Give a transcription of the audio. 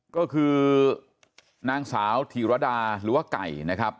ก็คือนางสาวธีรดาหรือว่าไก่นะครับ